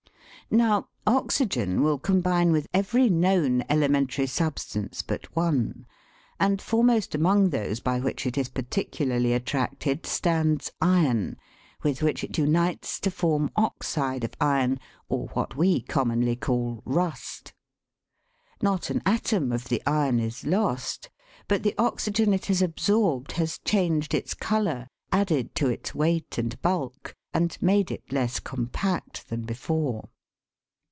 Now, oxygen will combine with every known elementary substance but one, and foremost among those by which it is particularly attracted stands iron, with which it unites to form oxide of iron, or what we commonly call "rust." Not an atom of the iron is lost, but the oxygen it has absorbed has changed its colour, added to its weight and bulk, and made it less compact than before.